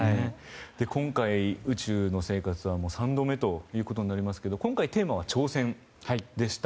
今回、宇宙の生活は３度目ということになりますけど今回テーマは挑戦でした。